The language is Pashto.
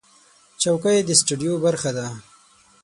چوکۍ د سټوډیو برخه ده.